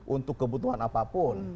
untuk kebutuhan apapun